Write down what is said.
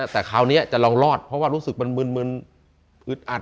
แต่คราวนี้จะลองรอดเพราะว่ารู้สึกมันมึนอึดอัด